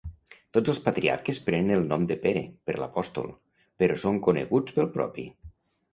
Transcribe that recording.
Tots els patriarques prenen el nom de Pere, per l'apòstol, però són coneguts pel propi.